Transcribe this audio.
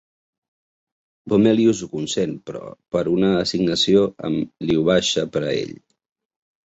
Bomelius ho consent, però per una assignació amb Lyubasha per a ell.